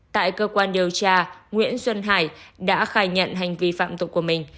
tại cơ quan điều tra nguyễn xuân hải đã khai nhận hành vi phạm tội của mình